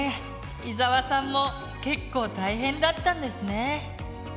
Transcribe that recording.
伊沢さんも結構大変だったんですね。